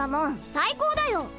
最高だよ。